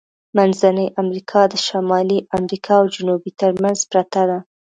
منځنۍ امریکا د شمالی امریکا او جنوبي ترمنځ پرته ده.